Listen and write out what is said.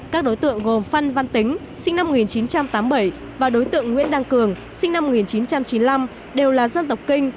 các đối tượng gồm phan văn tính sinh năm một nghìn chín trăm tám mươi bảy và đối tượng nguyễn đăng cường sinh năm một nghìn chín trăm chín mươi năm đều là dân tộc kinh